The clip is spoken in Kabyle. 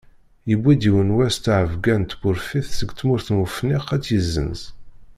Yuwi-d yiwen wass ttɛebgga n tpurfit seg tmurt n Wefniq ad tt-yesenz.